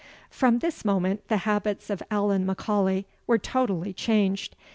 "From this moment, the habits of Allan M'Aulay were totally changed.